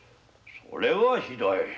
それはひどい！